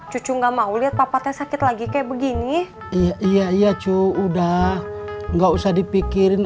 cucu nggak mau lihat papa teh sakit lagi kayak begini iya iya iya cu udah nggak usah dipikirin